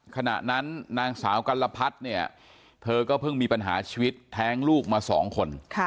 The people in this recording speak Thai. ขณะนั้นนางสาวกัลพัฒน์เนี่ยเธอก็เพิ่งมีปัญหาชีวิตแท้งลูกมา๒คน